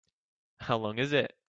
How long is it?